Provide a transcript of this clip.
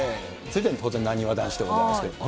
なにわ男子でございますけども。